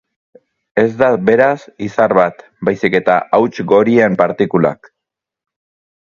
Ez da, beraz, izar bat, baizik eta hauts-gorien partikulak.